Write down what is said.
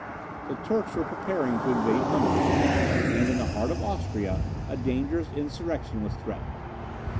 The Turks were preparing to attack Hungary, and in the heart of Austria a dangerous insurrection was threatened.